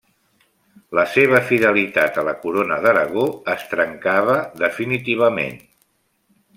La seva fidelitat a la corona d'Aragó es trencava definitivament.